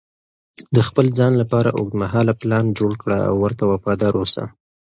د خپل ځان لپاره اوږدمهاله پلان جوړ کړه او ورته وفادار اوسه.